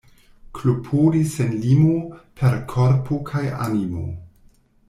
Klopodi sen limo per korpo kaj animo.